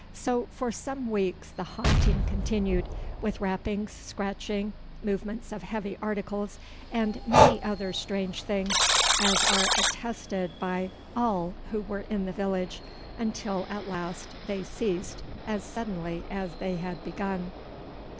So for some weeks the haunting continued, with rappings, scratching, movements of heavy articles, and many other strange things, as are attested by all who were in the village, until at last they ceased as suddenly as they had begun.